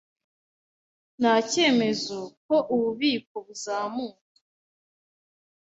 Nta cyemeza ko ububiko buzamuka